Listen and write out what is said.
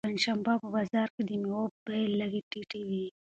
پنجشنبه په بازار کې د مېوو بیې لږې ټیټې وي.